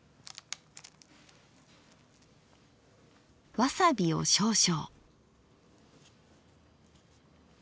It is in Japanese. わさびを少々。